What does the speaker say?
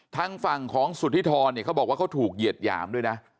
ทางฝั่งของสุธิธรเนี่ยเขาบอกว่าเขาถูกเหยียดหยามด้วยนะ